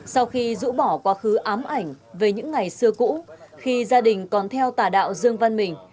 sau khi rũ bỏ quá khứ ám ảnh về những ngày xưa cũ khi gia đình còn theo tà đạo dương văn mình